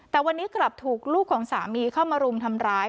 แต่วันนี้กลับถูกลูกของสามีเข้ามารุมทำร้าย